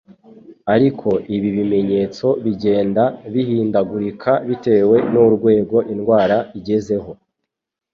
ariko ibi bimenyetso bigenda bihindagurika bitewe n''urwego indwara igezeho